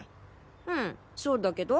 うんそうだけど。